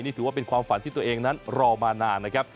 นี่ถือว่าเป็นความฝันที่ตัวเองนั้นรอมานานนะครับ